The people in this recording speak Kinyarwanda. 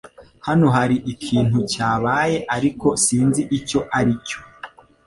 Hano hari ikintu cyabaye, ariko sinzi icyo ari cyo